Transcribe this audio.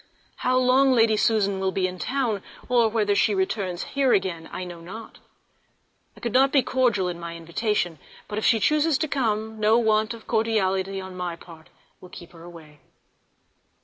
How long Lady Susan will be in town, or whether she returns here again, I know not. I could not be cordial in my invitation, but if she chuses to come no want of cordiality on my part will keep her away.